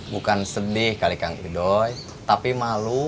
bukan sedih kali kang edo tapi malu